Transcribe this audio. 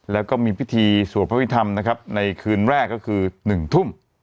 แล้วก็มีพิธีสวดพระพิธรรมนะครับในคืนแรกก็คือ๑ทุ่ม